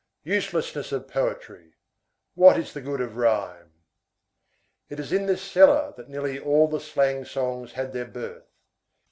Uselessness of poetry. What is the good of rhyme? It is in this cellar that nearly all the slang songs had their birth.